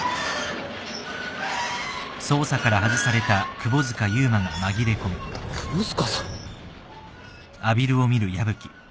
窪塚さん？